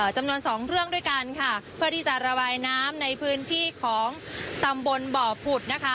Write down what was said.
จำนวนสองเรื่องด้วยกันค่ะเพื่อที่จะระบายน้ำในพื้นที่ของตำบลบ่อผุดนะคะ